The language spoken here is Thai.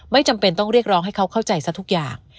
จำเป็นต้องเรียกร้องให้เขาเข้าใจซะทุกอย่าง